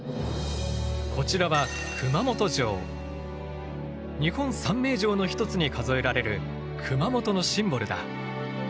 こちらは日本三名城の一つに数えられる熊本のシンボルだ。